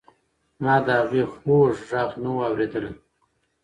ما د هغې خوږ غږ نه و اورېدلی.